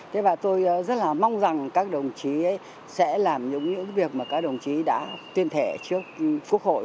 thế và tôi rất là mong rằng các đồng chí sẽ làm những việc mà các đồng chí đã tuyên thệ trước quốc hội